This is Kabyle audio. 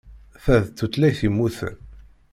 Ta d tutlayt yemmuten.